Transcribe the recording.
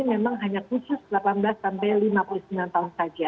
memang hanya khusus delapan belas sampai lima puluh sembilan tahun saja